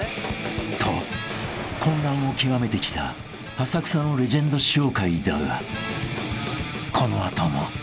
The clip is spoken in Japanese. ［と混乱を極めてきた浅草のレジェンド師匠会だがこの後も］